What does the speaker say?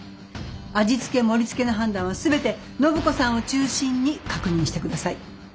味付け盛りつけの判断は全て暢子さんを中心に確認してください。